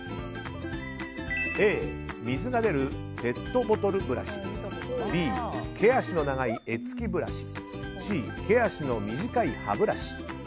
Ａ、水が出るペットボトルブラシＢ、毛足の長い柄付きブラシＣ、毛足の短い歯ブラシ。